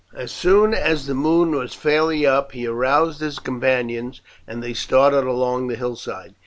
As soon as the moon was fairly up he aroused his companions and they started along the hillside.